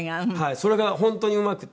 それが本当にうまくて。